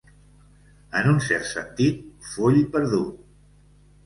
En un cert sentit, foll perdut.